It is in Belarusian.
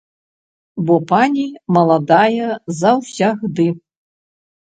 Бо пані маладая заўсягды.